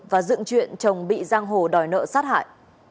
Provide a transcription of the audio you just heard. và dựng chuyện chồng bị giang hồ đòi nợ sát hại